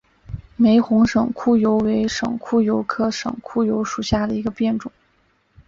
玫红省沽油为省沽油科省沽油属下的一个变种。